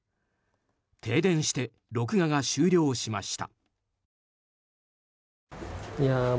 停電して録画が終了しました。